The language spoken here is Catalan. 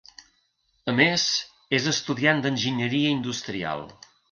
A més, és estudiant d'enginyeria industrial.